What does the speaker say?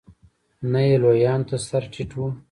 نه یې لویانو ته سر ټيټ و.